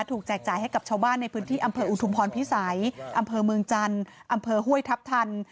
แจกจ่ายให้กับชาวบ้านในพื้นที่อำเภออุทุมพรพิสัยอำเภอเมืองจันทร์อำเภอห้วยทัพทัน